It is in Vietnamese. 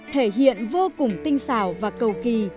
thể hiện vô cùng tinh xảo và cầu kỳ